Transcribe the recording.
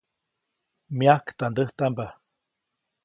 Myajktandäjtamba.